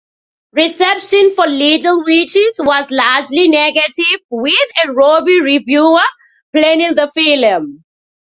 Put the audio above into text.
Reception for "Little Witches" was largely negative, with a Rovi reviewer panning the film.